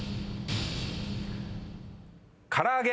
からあげ。